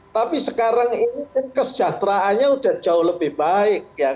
tapi sekarang ini kesejahteraannya udah jauh lebih baik ya